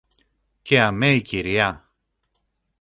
Και αμέ η Κυρία;